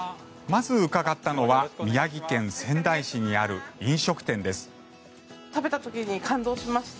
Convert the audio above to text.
まず伺ったのは宮城県仙台市にある飲食店です。